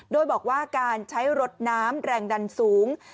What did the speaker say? โดยบอกว่าการใช้รถน้ำแรงดันสูง